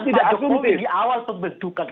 tidak jokowi di awal pembentukan